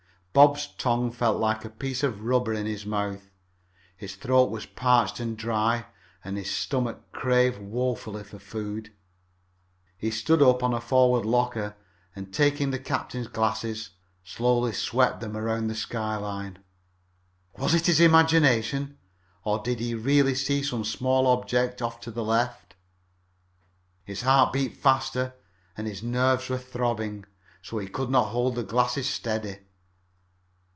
Bob's tongue felt like a piece of rubber in his mouth. His throat was parched and dry, and his stomach craved woefully for food. He stood up on a forward locker, and, taking the captain's glasses, slowly swept them around the sky line. Was it imagination, or did he really see some small black object off to the left? His heart beat fast, and his nerves were throbbing so he could not hold the glasses steady.